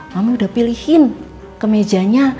mama udah pilihin kemejanya